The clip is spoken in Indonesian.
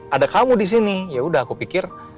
ada kamu disini yaudah aku pikir